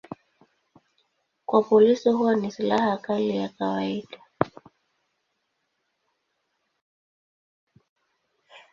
Kwa polisi huwa ni silaha kali ya kawaida.